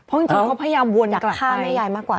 เพราะฉะนั้นเขาพยายามวนกลับไป